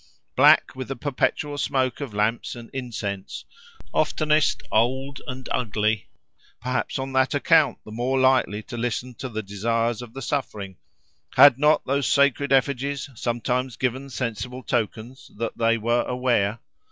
Black with the perpetual smoke of lamps and incense, oftenest old and ugly, perhaps on that account the more likely to listen to the desires of the suffering—had not those sacred effigies sometimes given sensible tokens that they were aware?